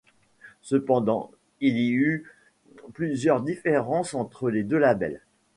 Cependant il y eu plusieurs différences entre les deux labels.